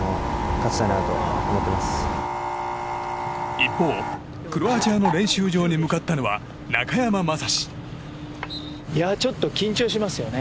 一方、クロアチアの練習場に向かったのは中山雅史。